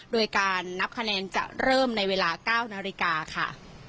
โดยการนับคะแนนจะเริ่มในเวลา๙นาฬิกาค่ะ